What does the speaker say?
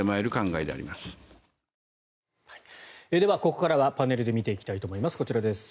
ここからはパネルで見ていきたいと思います。